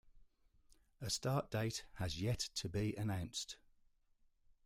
A start date has yet to be announced.